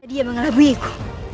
jadi diam dengan bayiku